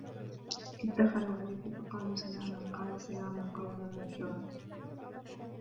إذ دخلوا عليه فقالوا سلاما قال سلام قوم منكرون